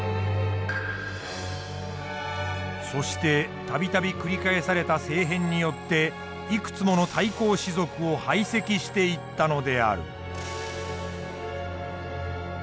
そして度々繰り返された政変によっていくつもの対抗氏族を排斥していったのである。